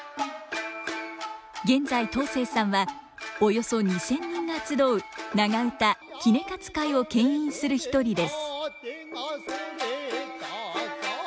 現在東成さんはおよそ２，０００人が集う長唄杵勝会を牽引する一人です。